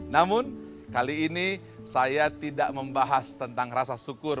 namun kali ini saya tidak membahas tentang rasa syukur